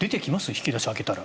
引き出しを開けたら。